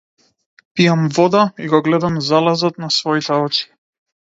Пијам вода, и го гледам залезот на своите очи.